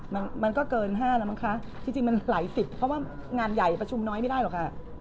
มันมันก็เกิน๕แล้วมั้งคะจริงมันหลายสิบเพราะว่างานใหญ่ประชุมน้อยไม่ได้หรอกค่ะ